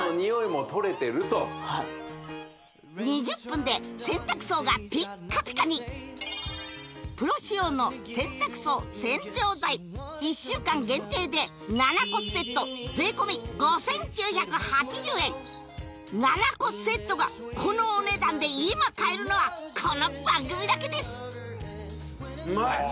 ２０分で洗濯槽がピッカピカにプロ仕様の洗濯槽洗浄剤１週間限定で７個セット税込５９８０円７個セットがこのお値段で今買えるのはこの番組だけです